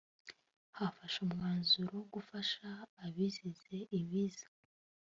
hafashwe umwanzuro wo gufasha abazize ibiza